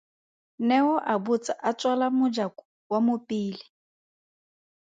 Neo a botsa a tswala mojako wa mo pele.